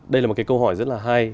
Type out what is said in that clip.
đây là một cái câu hỏi rất là hay